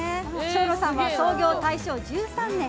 松露さんは創業大正１３年。